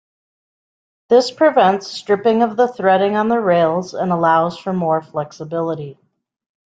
This prevents stripping of the threading on the rails and allows for more flexibility.